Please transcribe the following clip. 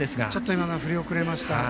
今は振り遅れました。